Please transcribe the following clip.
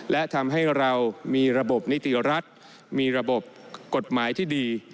และทำให้เรามีระบบนิติรัฐมีระบบกฎหมายที่ดี